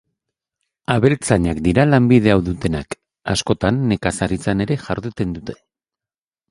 Abeltzainak dira lanbide hau dutenak; askotan, nekazaritzan ere jarduten dute.